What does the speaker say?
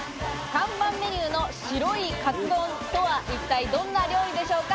看板メニューの白いカツ丼とは一体どんな料理でしょうか？